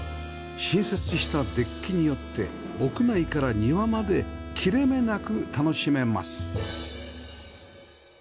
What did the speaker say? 新設したデッキによって屋内から庭まで切れ目なく楽しめます